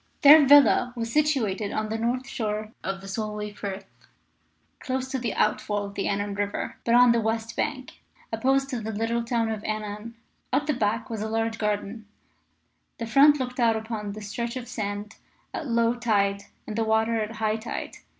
Their villa was situated on the north shore of the Solway Firth, close to the outfall of the Annan River, but on the west bank, opposite to the little town of Annan. At the back was a large garden, the front looked out upon the stretch of sand at low tide and the water at high tide.